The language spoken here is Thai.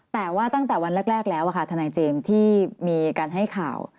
แต่ว่าตั้งแต่วันแรกแล้วค่ะทนายเจมส์ที่มีการให้ข่าว